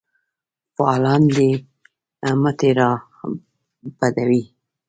فعالان دي مټې رابډ وهي.